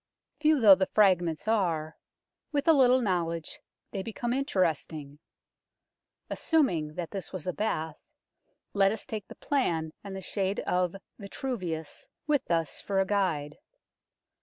Few though the fragments are, with a little knowledge they become interesting. Assuming that this was a bath, let us take the plan and the shade of Vitruvius with us for a guide.